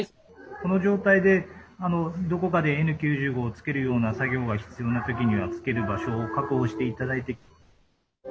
この状態でどこかでＮ９５をつけるような作業が必要な時にはつける場所を確保して頂いて。